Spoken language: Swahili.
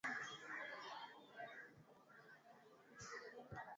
utahitaji mafuta ya kupikia vikombe mbili